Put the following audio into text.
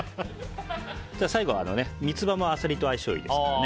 最後は、三つ葉もアサリと相性がいいですからね。